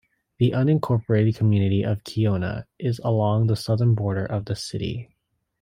The unincorporated community of Kiona is along the southern border of the city.